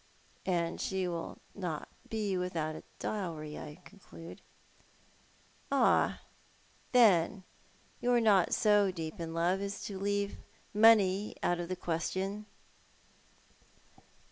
" And she will not be without a dowry, I conclude." * Ah, then, you are not so deep in love as to leave money out of the question."